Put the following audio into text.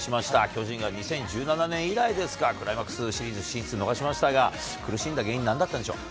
巨人が２０１７年以来ですか、クライマックスシリーズ進出逃しましたが、苦しんだ原因、なんだったんでしょう。